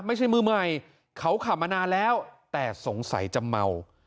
ไม่ใช่มือใหม่เขาขับมานานแล้วแต่สงสัยจะเมา